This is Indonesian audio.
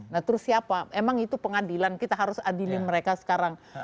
nah terus siapa emang itu pengadilan kita harus adilin mereka sekarang